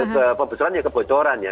kebocoran ya kebocoran ya